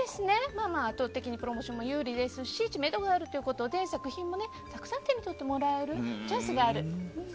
圧倒的にプロモーションが有利ですし知名度もあるということで作品も知ってもらえるチャンスがある。